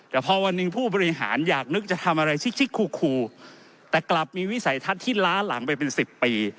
แต่พอวันหนึ่งผู้บริหารอยากนึกจะทำอะไรชิกคูแต่กลับมีวิสัยทัศน์ที่ล้าหลังไปเป็นสิบปี